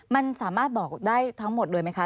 มันสามารถบอกได้ทั้งหมดเลยไหมคะ